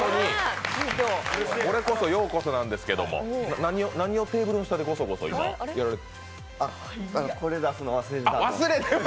これこそ「＃ようこそ」なんですけど、何をテーブルの下でゴソゴソとやられてる？